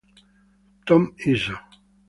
Tom Izzo